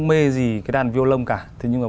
mê gì cái đàn violon cả thế nhưng mà